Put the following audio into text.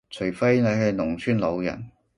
除非你係農村老人